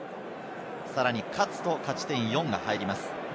さらに勝つと、勝ち点４が入ります。